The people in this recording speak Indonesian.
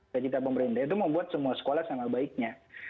saya cita pemerintah itu membuat semua sekolah sama baiknya